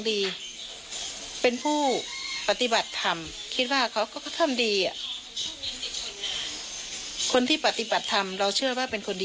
รู้จักทั้งประเทศ